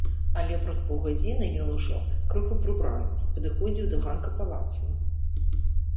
Але праз паўгадзіны ён ужо, крыху прыбраны, падыходзіў да ганка палаца.